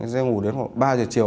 xe ngủ đến khoảng ba h chiều